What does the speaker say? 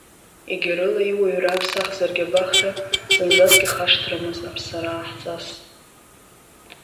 Егьарыла иуаҩра аԥсахзаргьы абахҭа, зынӡаск ихашҭрымызт аԥсараа ҳҵас.